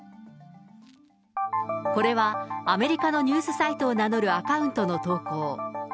これはアメリカのニュースサイトを名乗るアカウントの投稿。